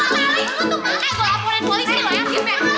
mama ada maling